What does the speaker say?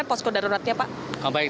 atau posko daruratnya pak